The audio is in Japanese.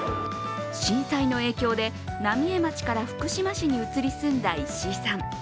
震災の影響で浪江町から福島市へ移り住んだ石井さん。